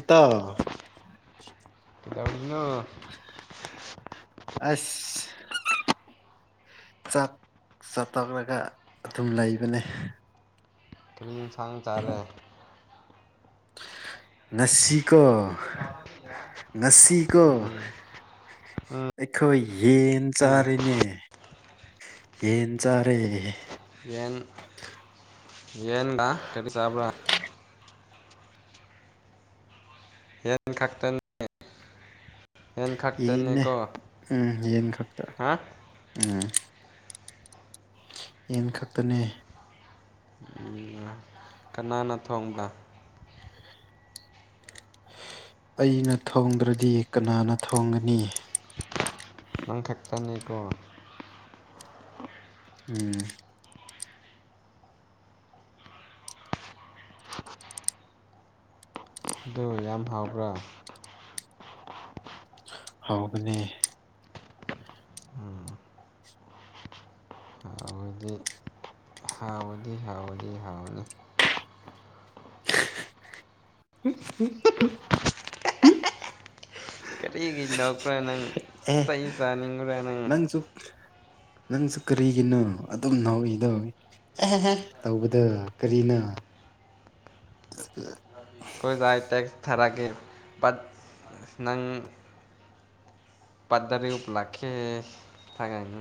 ꯏꯇꯥ ꯀꯥꯏꯗꯩꯔꯤꯅꯣ [unintelligible] ꯆꯠ ꯆꯠꯇꯔꯒ ꯑꯗꯨꯝ ꯂꯩꯕꯅꯦ ꯀꯔꯤ ꯍꯦꯟꯁꯥꯡ ꯆꯥꯔꯦ ꯉꯁꯤꯀꯣ ꯉꯁꯤꯀꯣ ꯎꯝ ꯑꯩꯈꯣꯏ ꯌꯦꯟ ꯎꯝ ꯆꯥꯔꯤꯅꯦ ꯌꯦꯟ ꯆꯥꯔꯦ ꯌꯦꯟꯗꯥ ꯀꯔꯤ ꯆꯥꯕꯔꯥ ꯌꯦ ꯈꯥꯛꯇꯅꯤ ꯌꯦꯟꯅꯦ ꯑꯦꯟꯈꯛꯇꯅꯤꯀꯣ ꯎꯝ ꯌꯦꯟ ꯈꯛꯇ ꯍꯥ ꯎꯝ ꯌꯦꯟ ꯈꯛꯇꯅꯦ ꯀꯅꯥꯅ ꯊꯣꯡꯕ ꯑꯩꯅ ꯊꯣꯡꯗ꯭ꯔꯗꯤ ꯀꯅꯥꯅ ꯊꯣꯡꯒꯅꯤ ꯅꯪ ꯈꯛꯇꯅꯤꯀꯣ ꯎꯝ ꯑꯗꯨ ꯌꯥꯝ ꯍꯥꯎꯕ꯭ꯔꯥ ꯍꯒꯅꯤ ꯎꯝ ꯍꯥꯎꯗꯤ ꯍꯥꯎꯕꯗꯤ ꯍꯥꯎꯕꯗꯤ ꯍꯥꯎꯕꯅꯤ ꯎ ꯎ ꯎ [inaudible] [unintelligible] ꯀꯔꯤꯒꯤꯩ ꯂꯔ ꯅꯪ ꯑꯦ ꯆꯍꯤꯩ ꯆꯥꯅꯤꯡꯔꯅ ꯅꯪꯁꯨ ꯅꯪꯁꯨ ꯀꯔꯤꯒꯤꯅꯣ ꯑꯗꯨꯝ ꯅꯧꯏꯗꯏꯤ ꯇꯧꯕꯗ ꯀꯔꯤꯅ ꯑꯣꯦ [inaudible] ꯀꯣꯏꯖꯏ ꯇꯦꯛꯁ ꯊꯥꯔꯛꯒꯦ ꯄꯠ ꯅꯪ ꯄꯗꯔ ꯎꯂꯥꯛꯀꯦ ꯁꯒ ꯏ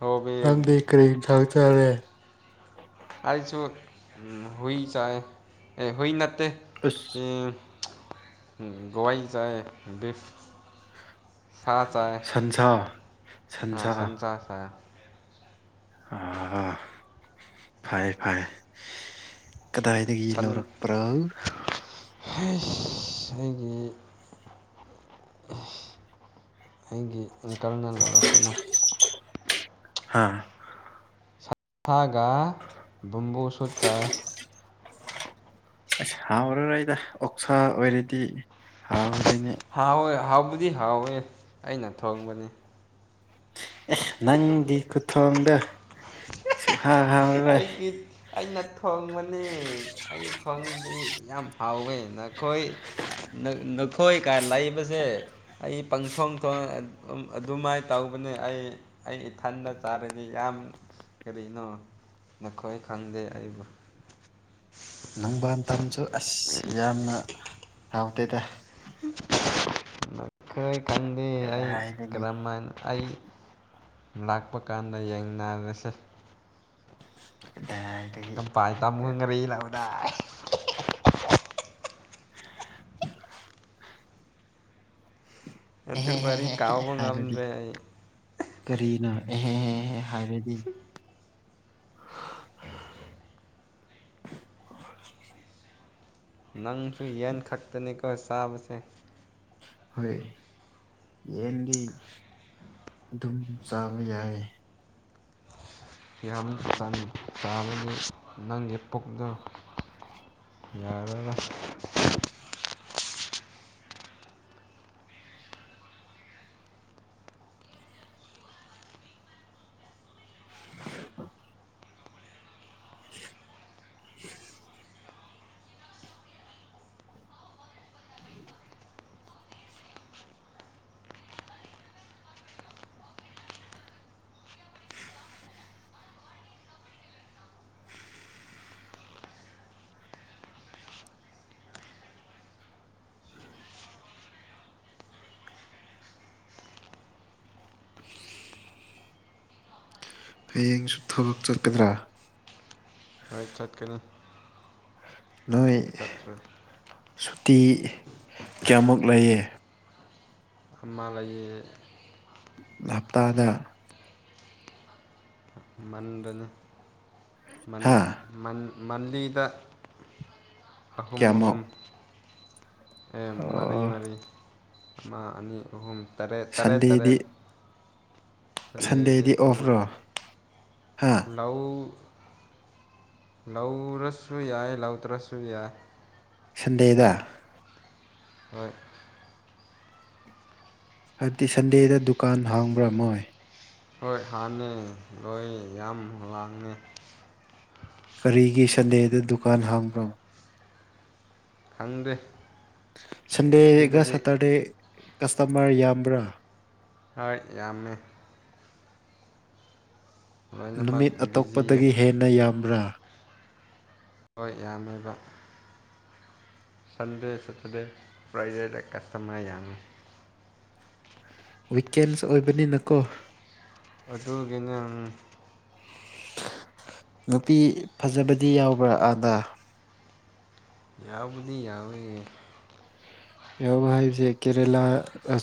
ꯍꯣꯕꯤ ꯅꯪꯗꯤ ꯀꯔꯤ ꯊꯥꯛ ꯆꯔꯦ ꯑꯩꯁꯨ ꯎ ꯍꯏ ꯆꯥꯏ ꯑꯦ ꯍꯏ ꯅꯠꯇꯦ ꯑꯁ ꯁꯤ ꯂꯣꯏ ꯆꯥꯏ ꯕꯤꯐ ꯁꯥ ꯆꯥꯏ ꯑꯥ ꯁꯟꯁꯥ ꯆꯥꯏ ꯑ ꯐꯔ ꯐꯥꯏ ꯀꯗꯥꯏꯗꯗꯒꯤꯒꯤ ꯁꯟ ꯂꯧꯔꯛ ꯄꯔꯥ ꯑꯩꯒꯤ ꯑꯩꯒꯤ ꯑꯪꯀꯜꯅ ꯂꯧꯔꯛꯄꯅꯤ ꯍꯥꯥ [inaudible] ꯁꯥꯒ ꯕꯨꯝꯕꯨꯁꯨꯠ ꯆꯥꯏ ꯍꯥꯎꯔ ꯑꯩꯗ ꯑꯣꯛꯁꯥ ꯑꯣꯏꯔꯦꯗꯤ ꯍꯥꯎ ꯍꯥꯎꯏ ꯍꯥꯎꯕꯨꯗꯤ ꯍꯥꯎꯋꯦ ꯑꯩꯅ ꯊꯣꯡꯕꯅꯤ ꯑꯦ ꯅꯪꯒꯤ ꯈꯨꯊꯣꯡꯗ ꯁꯃ ꯑꯩꯒꯤ ꯑꯩꯅ ꯊꯣꯡꯕꯅꯤ ꯑꯩ ꯊꯣꯡꯕꯗꯤ ꯌꯥꯝ ꯑꯥꯎꯅꯈꯣꯏ ꯄꯊꯣꯏ ꯀꯥꯟ ꯂꯩꯕꯁꯦ ꯑꯩ ꯄꯪꯊꯣꯡ ꯊꯣꯡ ꯑꯗꯨꯃꯥꯏꯅ ꯇꯧꯕꯅꯦ ꯑꯩ ꯑꯩ ꯏꯊꯟꯗ ꯆꯥꯔꯗꯤ ꯌꯥꯝ ꯀꯔꯤꯅꯣ ꯅꯈꯣꯏ ꯈꯪꯗꯦ ꯑꯩꯕꯨ ꯅꯪꯕꯥꯟ ꯇꯝꯁꯨ ꯑꯁ ꯌꯥꯝꯅ ꯍꯥꯎꯇꯦꯗ ꯀꯗ ꯑꯩ ꯀꯗꯥꯏꯗꯒꯤ ꯀ꯭ꯔꯃꯥꯏ ꯑꯩ ꯂꯥꯛꯄ ꯀꯥꯟꯗ ꯌꯦꯡꯅꯔꯁꯦ ꯀꯗꯥꯏꯗꯒꯤ ꯀꯝꯄꯥꯏ ꯇꯃꯨ ꯈꯪ ꯉꯔ ꯂꯥꯛꯕꯗ ꯑꯗꯨ ꯑꯦꯍꯦꯍꯦꯍꯦꯍꯦ ꯀꯥꯎꯕ ꯍꯥꯏꯔꯗꯤ ꯉꯝꯗ꯭ꯔꯦ ꯑꯩ ꯀꯔꯤꯅꯣ ꯑꯦꯍꯦ ꯍꯦꯍꯦ ꯍꯥꯏꯕꯗꯤ [unintelligible] ꯅꯪꯁꯨ ꯌꯦꯟ ꯈꯛꯇꯅꯤꯀꯣ ꯆꯥꯕꯁꯦ ꯍꯣꯏ ꯌꯦꯗꯤ ꯑꯗꯨꯝ ꯆꯥꯕ ꯌꯥꯏ ꯌꯥꯝ ꯆ ꯇꯥꯕꯗꯤ ꯅꯪꯒꯤ ꯄꯣꯛꯗ ꯌꯥꯔ [unintelligible] [unintelligible] [unintelligible] ꯍꯌꯦꯡꯁꯨ ꯊꯕꯛ ꯆꯠꯀꯗ꯭ꯔꯥ ꯍꯣꯏ ꯊꯠꯀꯅ ꯎ ꯆꯇ꯭ꯔꯔꯤ ꯇꯤ ꯀꯌꯥꯃꯨ ꯂꯩꯌꯦ ꯑꯃ ꯃꯥ ꯂꯩ ꯍꯞꯇꯥꯗ ꯃꯟꯗꯅ ꯃꯟ ꯍꯥ ꯃꯟ ꯃꯟꯂꯤꯗ ꯑꯍꯨꯝ ꯀꯌꯥꯃꯨꯛ ꯑꯍꯨꯝ ꯑꯦ ꯃꯩ ꯑꯣ ꯃꯔꯩ ꯃꯥ ꯑꯅꯤ ꯑꯍꯨꯝ ꯇꯔꯦꯠ ꯇꯔꯦꯠ ꯁꯟꯗꯦꯗꯤ ꯇꯔꯦꯠ ꯁꯟꯗꯦꯗꯤ ꯑꯣꯐꯔꯣ ꯍꯥ ꯂꯧꯎ ꯂꯧ ꯔꯁꯁꯨ ꯌꯥꯏ ꯂꯧ ꯇ꯭ꯔꯁꯁꯨ ꯌꯥꯏ ꯁꯟꯗꯦꯗ ꯍꯣꯏ ꯍꯥꯏꯕꯗꯤ ꯁꯟꯗꯦꯗ ꯗꯨꯀꯥꯟ ꯍꯥꯡꯕ꯭ꯔꯥꯃꯣꯏ ꯍꯣꯏ ꯍꯥꯟꯅꯦ ꯂꯣꯏ ꯌꯥꯝ ꯂꯥꯡꯉꯦ ꯀꯔꯤꯒꯤ ꯁꯟꯗꯦꯗ ꯗꯨꯀꯥꯟ ꯍꯥꯡꯕ꯭ꯔꯣ ꯈꯪꯗꯦ ꯁꯟꯗꯦꯒ ꯁꯤꯗꯗꯤ ꯁꯇꯔꯗꯦ ꯀꯁꯇꯃꯔ ꯌꯥꯝꯕ꯭ꯔꯥ ꯍꯣꯏ ꯌꯥꯝꯃꯦ ꯂꯣꯏꯅꯃꯛ ꯅꯨꯃꯤꯠ ꯕꯤꯖꯤꯌꯦ ꯑꯇꯣꯞꯄꯗꯒꯤ ꯍꯦꯟꯅ ꯌꯥꯝꯕ꯭ꯔꯥ ꯍꯣꯏ ꯌꯥꯝꯃꯦꯕ ꯁꯟꯗꯦ ꯁꯊꯔꯦ ꯄ꯭ꯔꯥꯏꯚꯦꯠ ꯀꯁꯇꯃꯔ ꯌꯥꯉ ꯋꯤꯀꯦꯟꯁ ꯑꯣꯏꯕꯅꯤꯅꯀꯣ ꯑꯗꯨꯊꯒꯤꯅꯦꯪ ꯅꯨꯄꯤ ꯐꯖꯕꯗꯤ ꯌꯥꯎꯕ꯭ꯔꯥ ꯑꯗ ꯌꯥꯕꯗꯤ ꯌꯥꯕ ꯌꯥꯎꯕ ꯍꯥꯏꯁꯦ ꯀꯦꯔꯦꯂꯥ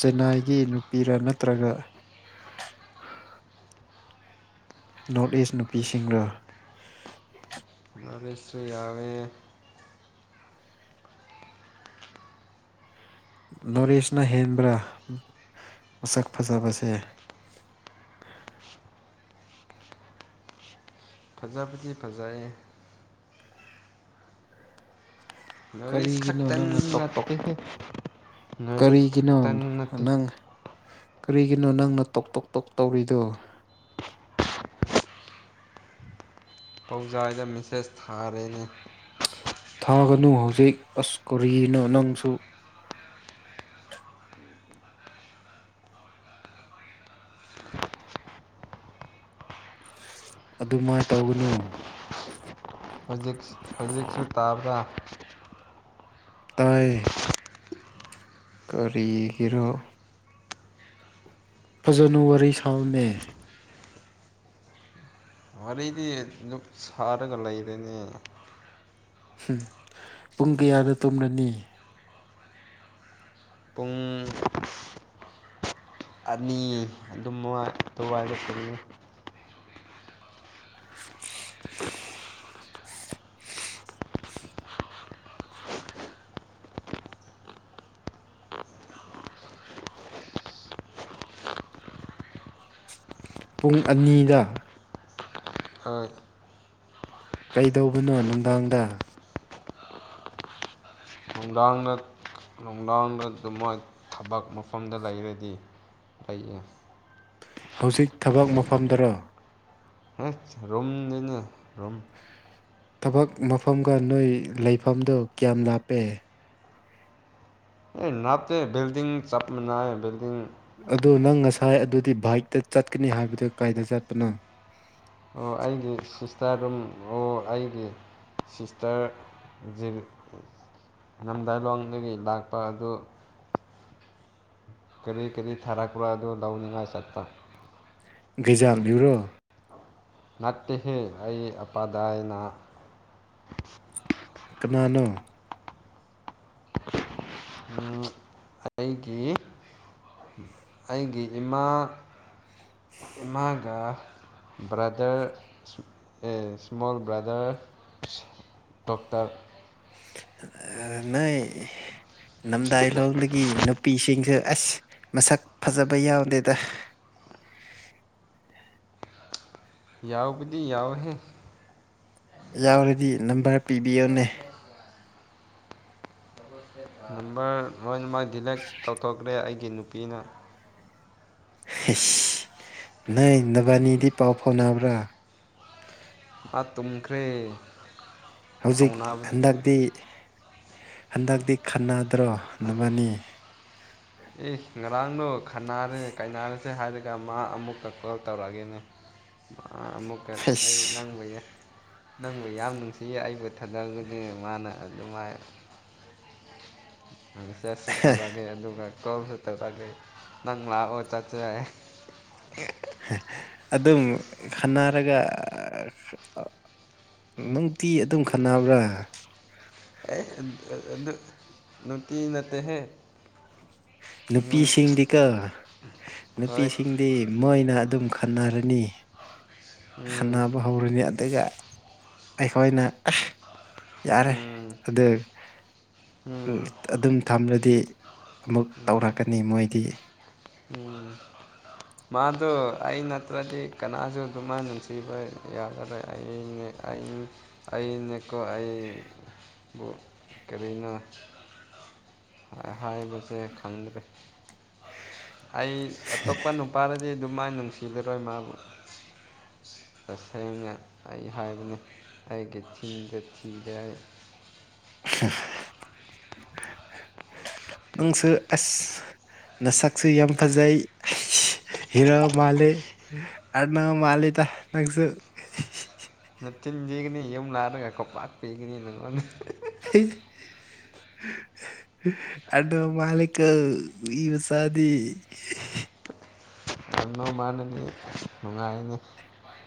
ꯆꯦꯟꯅꯥꯏꯒꯤ ꯅꯨꯄꯤꯔ ꯅꯠꯇ꯭ꯔꯒ [unintelligible] ꯅꯣꯔꯠ ꯏꯁ ꯅꯨꯄꯤꯁꯤꯡꯒ ꯃꯔ ꯏꯁ ꯌꯥꯕ ꯅꯔꯤꯦꯁꯅ ꯍꯦꯟꯕ꯭ꯔꯥ ꯃꯁꯛ ꯐꯖꯕꯁꯦ [unintelligible] ꯐꯖꯕꯗꯤ ꯐꯖꯩꯌꯦꯦ ꯅꯣꯔꯠ ꯏꯁ ꯀꯔꯤꯒꯤꯅꯣ ꯈꯛꯇꯪ ꯅꯪꯅ ꯇꯣꯛ ꯇꯣꯛ ꯅꯠꯇꯦꯍꯦ ꯅꯣꯔꯠ ꯏꯁ ꯀꯔꯤꯒꯤꯅꯣ ꯈꯛꯇꯪ ꯅꯠꯇꯦ ꯅꯪ ꯀꯔꯤꯒꯤꯅꯣ ꯅꯪꯅ ꯇꯣꯛ ꯇꯣꯛ ꯇꯣꯛ ꯇꯧꯔꯤꯗꯨꯣ ꯄꯥꯎꯖꯥꯏꯗ ꯃꯦꯁꯦꯁ ꯊꯥꯔꯦꯅꯦ ꯊꯥꯒꯅꯨ ꯍꯧꯖꯤꯛ ꯑꯁ ꯀꯣꯔꯤꯅ ꯅꯪꯁꯨ ꯑꯗꯨꯃꯥꯏꯅ ꯇꯧꯒꯅꯨ ꯍꯧꯖꯤꯛ ꯍꯧꯖꯤꯛꯁꯨ ꯇꯥꯕ꯭ꯔꯥ ꯇꯌꯦ ꯀꯔꯤꯒꯤꯔꯣ ꯐꯖꯅꯋꯥꯔꯤ ꯁꯥꯜꯅꯦ ꯋꯥꯔꯤꯗꯤ ꯑꯗꯨꯛ ꯁꯥꯔꯒ ꯂꯩꯔꯅꯤ ꯎꯝ ꯄꯨꯡ ꯀꯌꯥꯗ ꯇꯨꯝꯂꯅꯤ ꯄꯨꯡ ꯑꯅꯤ ꯑꯗꯨꯝ ꯑꯗꯨꯕꯥꯏꯗ ꯆꯠꯉꯦ ꯄꯨꯡ ꯑꯅꯤꯗ ꯍꯣꯏ ꯀꯩꯗꯧꯕꯅꯣ ꯅꯨꯡꯗꯥꯡꯗ ꯅꯨꯡꯗꯥꯡꯗ ꯅꯨꯡꯗꯥꯡꯗ ꯑꯗꯨꯃ ꯊꯕꯛ ꯃꯐꯝꯗ ꯂꯩꯔꯗꯤ ꯂꯩꯌꯦ ꯍꯧꯖꯤꯛ ꯊꯕꯛ ꯃꯐꯝꯗꯔꯣ ꯔꯣꯝ ꯅꯅ ꯔꯣꯝ ꯊꯕꯛ ꯃꯐꯝꯒ ꯅꯣꯏ ꯂꯩꯐꯝꯗꯨ ꯀꯌꯥꯝ ꯂꯥꯞꯄꯦ ꯑꯦ ꯅꯥꯞꯇ ꯕꯤꯜꯗꯤꯡ ꯆꯞꯅ ꯜꯗꯤꯡ ꯑꯗꯨ ꯅꯪ ꯉꯁꯥꯏ ꯑꯗꯨꯗꯤ ꯕꯥꯏꯛꯇ ꯆꯠꯀꯅꯤ ꯍꯥꯏꯕꯗꯨ ꯀꯥꯏꯗ ꯆꯠꯄꯅꯣ ꯑꯣ ꯑꯩꯒꯤ ꯁꯤꯁꯇꯔ ꯑꯗꯨꯝ ꯑꯣ ꯑꯩꯒꯤ ꯁꯤꯁꯇꯔꯖꯤꯔꯤ ꯅꯝꯗꯥꯏꯂꯣꯡꯗꯒꯤ ꯂꯥꯛꯄ ꯑꯗꯨ ꯀꯔꯤ ꯀꯔꯤ ꯊꯥꯔꯛꯄ꯭ꯔꯣ ꯑꯗꯨ ꯂꯧꯅꯤꯡꯉꯥꯏ ꯆꯠꯄ ꯩꯖꯥꯡ ꯌꯕꯌꯨꯔꯣ ꯠꯇꯦꯍꯦ ꯑꯩ ꯑꯄꯥꯗꯥꯏꯅ ꯀꯅꯥꯅꯣ ꯑꯩꯒꯤ ꯑꯩꯒꯤ ꯏꯃꯥ ꯏꯃꯥꯒ ꯕꯥꯗꯔ ꯏꯁꯃꯣꯜ ꯕ꯭ꯔꯥꯗꯔ ꯗꯣꯛꯇꯔ ꯑ ꯅ ꯅꯝꯗꯥꯏ ꯂꯣꯡꯗꯒꯤ ꯅꯨꯄꯤꯁꯤꯡꯁ ꯑꯁ ꯃꯁꯛ ꯐꯖꯕ ꯌꯥꯎꯗꯦꯗ [unintelligible] ꯌꯥꯎꯕꯨꯗꯤ ꯌꯥꯎꯍꯦ ꯌꯥꯎꯔꯗꯤ ꯅꯝꯕꯔ ꯄꯤꯕꯤꯌꯣꯅꯦ ꯅꯝꯕꯔ ꯂꯣꯏꯅꯃꯛ ꯗꯤꯂꯦꯛ ꯇꯧꯊꯣꯛꯈ꯭ꯔꯦ ꯑꯩꯒꯤ ꯅꯨꯄꯤꯅ ꯅꯣꯏ ꯅꯕꯥꯅꯤꯗꯤ ꯄꯥꯎ ꯐꯥꯎꯅꯕ꯭ꯔꯥ ꯇꯨꯝꯈ꯭ꯔꯦ ꯍꯧꯖꯤꯛ ꯐꯥꯎꯅꯕꯗꯤ ꯍꯟꯗꯛꯇꯤ ꯍꯟꯗꯛꯇꯤ ꯈꯅꯥ ꯠꯇ꯭ꯔꯣ ꯅꯅꯤ ꯑꯦ ꯉꯔꯥꯡꯗꯣ ꯈꯟꯅꯔꯦ ꯀꯥꯏꯅꯔꯦ ꯆꯠꯦ ꯍꯥꯏꯔꯒ ꯃꯥ ꯑꯃꯨꯛꯀ ꯀꯣꯜ ꯇꯧꯔꯛꯑꯒꯦꯅꯦ ꯑꯃꯨꯛꯀ ꯑꯩ ꯑꯁ ꯅꯪꯕ ꯌꯥ ꯅꯪꯕꯨ ꯌꯥꯝ ꯅꯨꯡꯁꯤꯌꯦ ꯑꯩꯕꯨ ꯊꯥꯗꯔꯒꯗꯤ ꯃꯥꯅ ꯑꯗꯨꯝꯥꯏ ꯑꯗꯨ ꯆꯁꯁꯨ ꯊꯧꯔꯛꯑꯒꯦ ꯑꯗꯨꯒ ꯀꯣꯝ ꯁꯛꯇ ꯇꯥꯛꯦ ꯅꯪ ꯂ ꯑꯣ ꯆꯆꯦ ꯑꯗꯨꯝ ꯈꯟꯅꯔꯒ ꯅꯨꯡꯇꯤ ꯑꯗꯨꯝ ꯈꯅꯕ꯭ꯔꯥ ꯅꯇꯅꯠꯇꯦ ꯅꯨꯄꯤꯁꯤꯡꯗꯤꯀ ꯍꯣꯏ ꯅꯨꯄꯤꯁꯤꯡꯗꯤ ꯃꯣꯏꯅ ꯑꯗꯨꯝ ꯈꯟꯅꯔꯅꯤ ꯎꯝ ꯈꯟꯅꯕ ꯍꯧꯔꯅꯤ ꯑꯗꯨꯒ ꯑꯩꯈꯣꯏꯅ ꯌꯥꯔꯦ ꯎꯝ ꯑꯗ ꯎꯝ ꯑꯗꯨꯝ ꯊꯝꯂꯗꯤ ꯑꯃꯨꯛ ꯇꯧꯔꯛꯀꯅꯤ ꯃꯣꯏꯗꯤ ꯃ ꯃꯥꯗꯣ ꯑꯩ ꯅꯠꯇ꯭ꯔꯗꯤ ꯀꯅꯥꯁꯨ ꯑꯗꯨꯃꯥꯏꯅ ꯅꯨꯡꯁꯤꯕ ꯌꯥꯒꯔꯣꯏ ꯑꯩ ꯑꯩ ꯑꯩꯅꯀꯣ ꯑꯩꯕꯨ ꯀꯔꯤꯅꯣ ꯍꯥꯏꯕ ꯁꯦ ꯈꯪꯗ꯭ꯔꯦ ꯑꯩ ꯑꯇꯣꯞꯄ ꯅꯨꯄꯥꯔꯗꯤ ꯑꯗꯨ ꯃꯥꯏ ꯅꯨꯡꯁꯤꯂꯔꯣꯏ ꯃꯥꯕꯨ ꯇꯁꯦꯡꯅ ꯑꯩ ꯍꯥꯏꯕꯅꯦ ꯑꯩꯒꯤ ꯊꯤꯗ ꯊꯤꯗꯦ ꯑꯩ [inaudible] [unintelligible] [inaudible] ꯅꯪꯁꯨ ꯑꯁ ꯅꯁꯛꯁꯨ ꯌꯥꯝ ꯐꯖꯩ ꯍꯤꯔꯣ ꯃꯥꯜꯂꯦ ꯑꯥꯔꯅꯣꯜ ꯃꯥꯜꯂꯤꯗ ꯅꯪꯁꯨ ꯆꯤꯟ ꯊꯤꯒꯅꯤ ꯌꯨꯝ ꯂꯔꯒ ꯀꯣꯄꯥ [unintelligible] ꯅꯉꯣꯟꯗ [inaudible] [unintelligible] ꯑꯥꯔꯅꯣꯜ ꯃꯥꯜꯂꯤꯀꯣ ꯃꯤꯃꯆꯥꯗꯤ ꯌꯥꯝꯅꯣ ꯃꯥꯟꯅꯅꯤ ꯅꯨꯡꯉꯥꯏꯅꯤ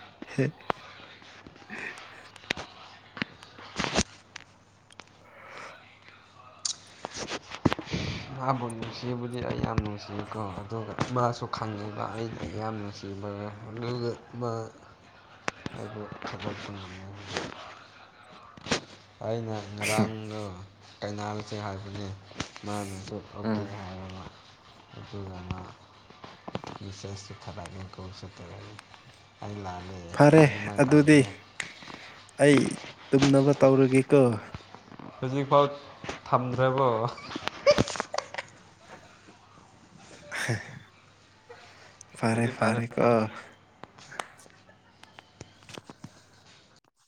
[unintelligible] ꯃꯥꯕꯨ ꯅꯨꯡꯁꯤꯕꯨꯗꯤ ꯑꯩ ꯌꯥꯝ ꯅꯨꯡꯁꯤꯀꯣ ꯑꯗꯨꯒ ꯃꯥꯁꯨ ꯈꯪꯉꯤꯕ ꯑꯩꯗꯤ ꯌꯥꯝ ꯅꯨꯡꯁꯤ [unintelligible] ꯑꯗꯣ ꯊꯕꯛꯇꯣ ꯉꯝ ꯍꯧꯗ [unintelligible] ꯒꯤ ꯑꯩꯅ ꯉꯔꯥꯡꯗꯣ ꯀꯩꯅꯥꯜ ꯆꯦ ꯍꯥꯏꯕꯅꯦ ꯃꯥꯅ ꯑꯣꯀꯦ ꯎꯝ ꯍꯥꯏꯑꯕ ꯃꯥ ꯑꯗꯨꯒ ꯃꯥ ꯃꯤꯁꯦꯁ ꯁꯨ ꯊꯕꯛꯅꯤ ꯀꯣꯜꯁꯨ ꯇꯧꯔꯛꯏ ꯑꯩ ꯂꯥꯜꯂꯦ ꯑꯩ ꯐꯔꯦ ꯑꯗꯨꯃꯥꯏꯅ ꯇꯧ ꯑꯗꯨꯗꯤ [unintelligible] ꯑꯩ ꯇꯨꯝꯅꯕ ꯇꯧꯔꯒꯦꯀꯣ ꯍꯧꯖꯤꯛꯐꯥꯎ ꯊꯝꯗ꯭ꯔꯕꯣ [unintelligible] ꯐꯔꯦ ꯐꯔꯦ ꯀꯣ